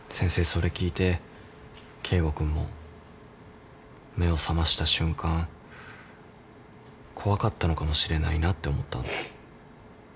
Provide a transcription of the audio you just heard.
それ聞いて圭吾君も目を覚ました瞬間怖かったのかもしれないなって思ったの。